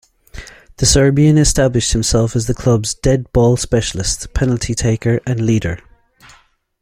The Serbian established himself as the club's dead-ball specialist, penalty taker and leader.